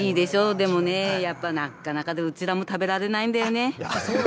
でもね、やっぱなかなか、うちらも食べられないんだよね。